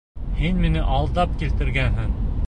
Һин мине алдап килтергәнһең!